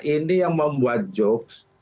ini yang membuat jokes